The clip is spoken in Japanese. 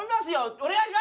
お願いします！